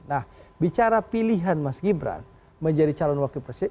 nah bicara pilihan mas gibran menjadi calon wakil presiden